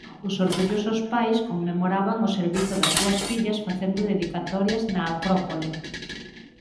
Os orgullosos pais conmemoraban o servizo das súas fillas facendo dedicatorias na Acrópole.